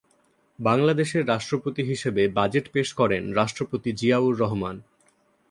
বাংলাদেশের রাষ্ট্রপতি হিসেবে বাজেট পেশ করেন রাষ্ট্রপতি জিয়াউর রহমান।